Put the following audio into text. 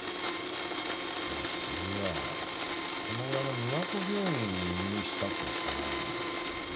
ああそういやぁこの裏の都病院に入院してたって言ってたなぁ喘息で。